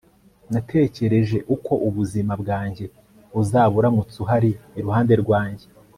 natekereje uko ubuzima bwanjye buzaba uramutse uhari iruhande rwanjye